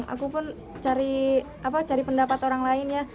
aku pun cari pendapat orang lain ya